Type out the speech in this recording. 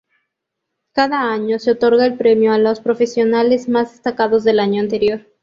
Cada año se otorga el premio a los profesionales más destacados del año anterior.